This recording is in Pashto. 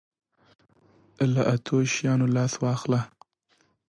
له اتو شیانو لاس واخله.